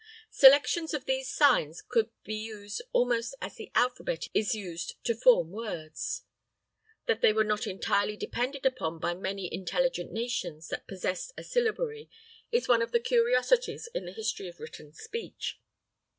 Selections of these signs could be used almost as the alphabet is used to form words. That they were not entirely depended upon by many intelligent nations that possessed a syllabary is one of the curiosities in the history of written speech.